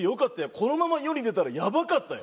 このまま世に出たらやばかったよ。